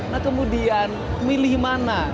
nah kemudian milih mana